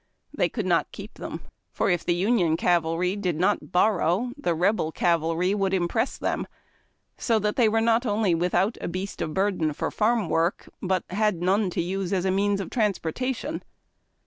They could not keep them, for if the Union cavalry did not "borrow," the Rebel cavalry would impress them; so that they were not only without a beast of burden for farm work, but had none to use as a means of transportation.